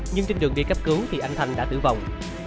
nhưng trên đường đi cấp cứu thì anh thành đã tử vong